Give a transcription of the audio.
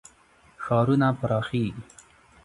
ښارونه پراخیږي.